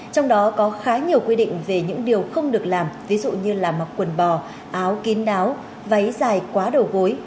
trong đó có khá nhiều quy định về những điều không được làm ví dụ như là mặc quần bò áo kín đáo váy dài quá đầu gối